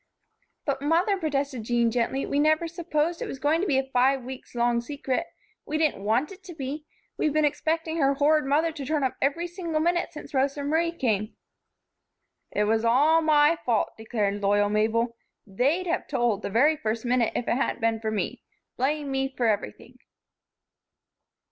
"But, Mother," protested Jean, gently, "we never supposed it was going to be a five weeks long secret. We didn't want it to be. We've been expecting her horrid mother to turn up every single minute since Rosa Marie came." "It was all my fault," declared loyal Mabel. "They'd have told, the very first minute, if it hadn't been for me. Blame me for everything."